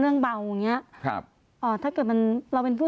แล้วก็ย้ำว่าจะเดินหน้าเรียกร้องความยุติธรรมให้ถึงที่สุด